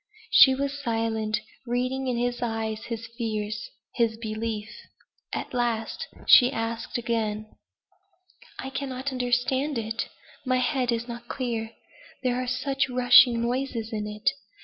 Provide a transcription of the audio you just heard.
She was silent, reading in his eyes his fears his belief. At last she asked again. "I cannot understand it. My head is not clear. There are such rushing noises in it.